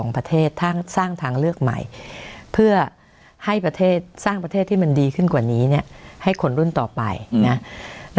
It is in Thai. ประเทศที่มันดีขึ้นกว่านี้เนี่ยให้คนรุ่นต่อไปนะ